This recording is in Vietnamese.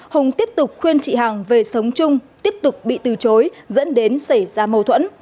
hùng tiếp tục khuyên chị hằng về sống chung tiếp tục bị từ chối dẫn đến xảy ra mâu thuẫn